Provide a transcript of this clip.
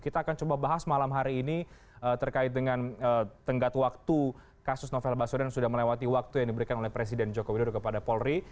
kita akan coba bahas malam hari ini terkait dengan tenggat waktu kasus novel baswedan sudah melewati waktu yang diberikan oleh presiden joko widodo kepada polri